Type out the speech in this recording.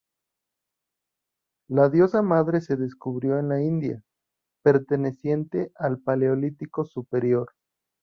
La diosa madre se descubrió en la India, perteneciente al Paleolítico Superior.